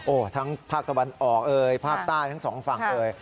โอ้โหทั้งภาคตะวันออกเอ่ยภาคใต้ทั้งสองฝั่งเอ่ย